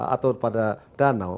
atau pada danau